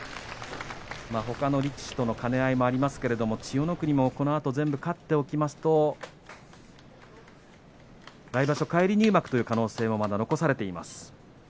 ほかの力士との兼ね合いもありますけれど千代の国もこのあと全部勝っておきますと来場所返り入幕という可能性がまだ残されています。